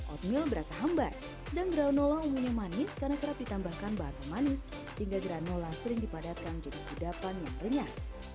oatmeal berasa hambar sedang granola ungunya manis karena kerap ditambahkan bahan pemanis sehingga granola sering dipadatkan jadi kudapan yang renyah